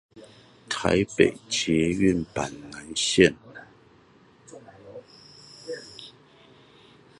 臺北捷運板南線